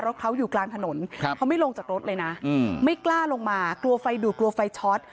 รถเขาอยู่กลางถนนเขาไม่ลงจากรถเลยนะไม่กล้าลงมากลัวไฟดูดกลัวไฟช็อต